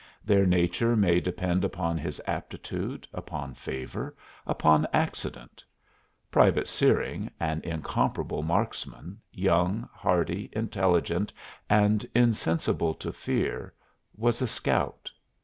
Their nature may depend upon his aptitude, upon favor, upon accident. Private Searing, an incomparable marksman, young, hardy, intelligent and insensible to fear, was a scout.